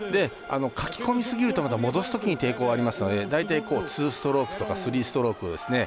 かき込みすぎると戻すときに抵抗がありますので大体ツーストロークとかスリーストロークですね。